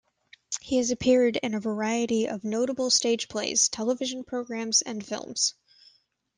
He has appeared in a variety of notable stage plays, television programs and films.